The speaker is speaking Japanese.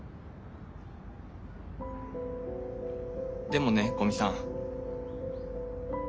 でもね古見さん。